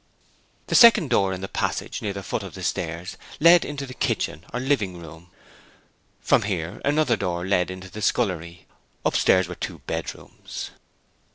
The second door in the passage near the foot of the stairs led into the kitchen or living room: from here another door led into the scullery. Upstairs were two bedrooms.